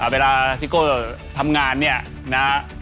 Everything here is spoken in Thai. เวลาพี่โก้ทำงานเนี่ยนะฮะ